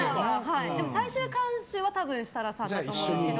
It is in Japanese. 最終監修は設楽さんだと思うんですけど。